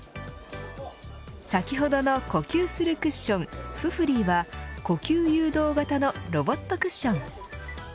先ほどの呼吸するクッションｆｕｆｕｌｙは呼吸誘導型のロボットクッション。